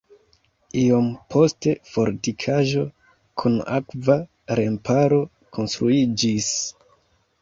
Iom poste fortikaĵo kun akva remparo konstruiĝis.